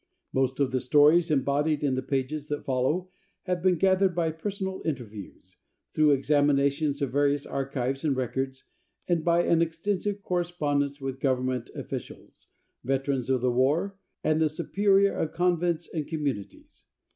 Most of the stories embodied in the pages that follow have been gathered by personal interviews, through examinations of various archives and records, and by an extensive correspondence with Government officials, veterans of the war and the superiors of convents and communities.